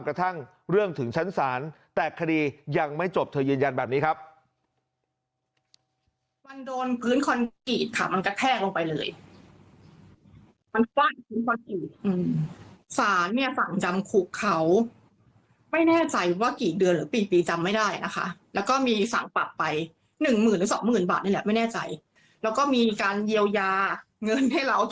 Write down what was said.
กระทั่งเรื่องถึงชั้นศาลแต่คดียังไม่จบเธอยืนยันแบบนี้ครับ